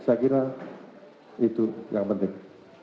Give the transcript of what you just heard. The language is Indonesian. saya kira itu yang penting